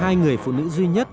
hai người phụ nữ duy nhất